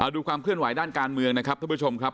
ดูความเคลื่อนไหวด้านการเมืองนะครับท่านผู้ชมครับ